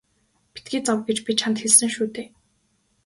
Битгий зов гэж би чамд хэлсэн шүү дээ.